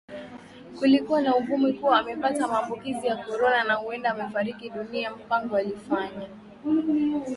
kulikuwa na uvumi kuwa amepata maambukizi ya Corona na huenda amefariki dunia Mpango alifanya